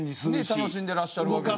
楽しんでらっしゃるわけで。